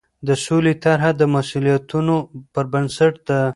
د سولې طرحه د مسوولیتونو پر بنسټ ده.